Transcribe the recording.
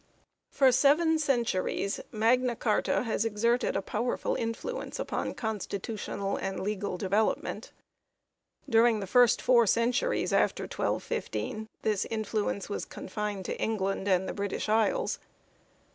D. FOR seven centuries Magna Carta has exerted a power ful influence upon constitutional and legal development. During the first four centuries after 1215 this influence was confined to England and the British Isles.